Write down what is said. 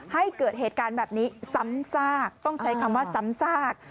ให้เกิดเหตุการณ์แบบนี้ซ้ำซากต้องใช้คำว่าซ้ำซาก